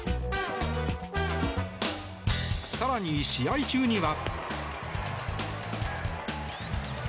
更に、試合中には。